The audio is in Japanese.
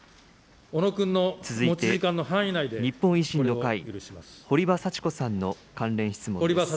続いて日本維新の会、堀場幸子さんの関連質問です。